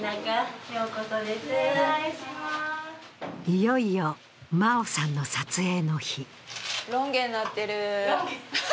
いよいよ茉緒さんの撮影の日。